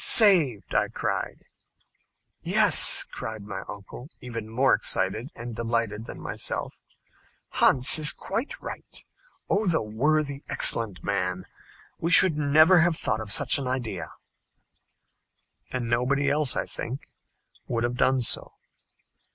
"Saved!" I cried. "Yes," cried my uncle, even more excited and delighted than myself; "Hans is quite right. Oh, the worthy, excellent man! We should never have thought of such an idea." And nobody else, I think, would have done so.